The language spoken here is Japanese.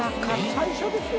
最初ですよ